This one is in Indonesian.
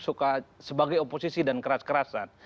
suka sebagai oposisi dan keras kerasan